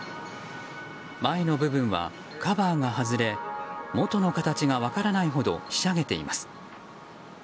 前の部分はカバーが外れ元の形が分からないほどひしゃげています。